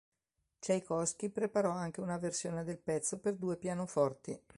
Čajkovskij preparò anche una versione del pezzo per due pianoforti.